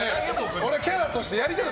俺、キャラとしてやりたいよ